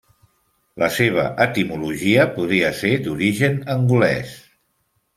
La seva etimologia podria ser d'origen angolès.